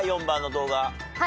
４番の動画。